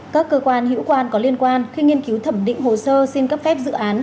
các cơ quan hữu quan có liên quan khi nghiên cứu thẩm định hồ sơ xin cấp phép dự án